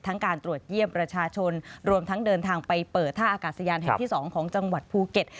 การตรวจเยี่ยมประชาชนรวมทั้งเดินทางไปเปิดท่าอากาศยานแห่งที่๒ของจังหวัดภูเก็ต